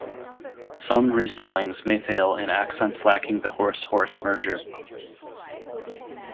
Some respellings may fail in accents lacking the horse-hoarse merger.